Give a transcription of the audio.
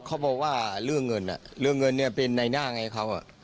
เขาบอกว่าเรื่องเงินเรื่องเงินเนี่ยเป็นในหน้าไงเขา